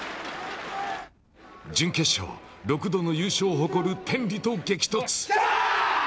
準決勝、６度の優勝を誇る天理と激突。